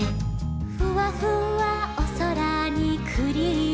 「ふわふわおそらにクリームだ」